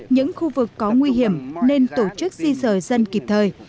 những khu vực có nguy hiểm nên tổ chức di rời dân kịp thời